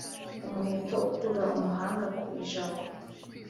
Umuheto ukura umuhanga ku ijabo